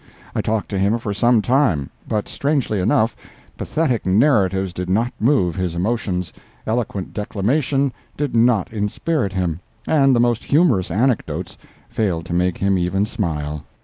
I talked to him for some time, but strangely enough, pathetic narratives did not move his emotions, eloquent declamation did not inspirit him, and the most humorous anecdotes failed to make him even smile.